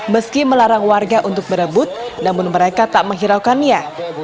meski melarang warga untuk berebut namun mereka tak menghiraukannya